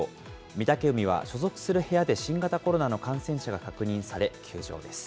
御嶽海は所属する部屋で新型コロナの感染者が確認され、休場です。